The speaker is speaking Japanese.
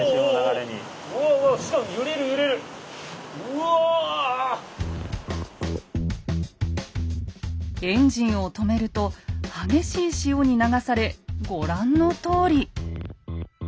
エンジンを止めると激しい潮に流されご覧のとおり。